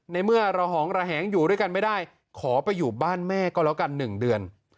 ในเมื่อระหองระแหงอยู่ด้วยกันไม่ได้ขอไปอยู่บ้านแม่ก็แล้วกัน๑เดือน